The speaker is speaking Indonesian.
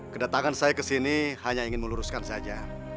kedatangan saya ke sini hanya ingin meluruskan saja